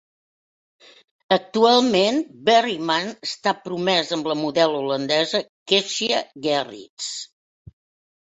Actualment, Berryman està promès amb la model holandesa Keshia Gerrits.